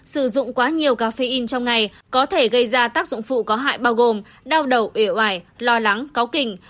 sử dụng quá nhiều caffeine trong ngày có thể gây ra tác dụng phụ có hại bao gồm đau đầu ẻo ải lo lắng cáu kình